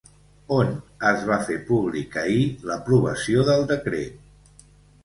On es va fer públic ahir l'aprovació del decret?